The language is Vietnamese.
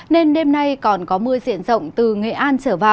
nên đêm nay còn có mưa diện rộng từ nghệ an